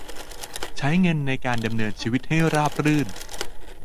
ใช้เงินในการดำเนินชีวิตให้ราบรื่น